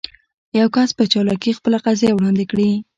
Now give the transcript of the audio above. يو کس په چالاکي خپله قضيه وړاندې کړي.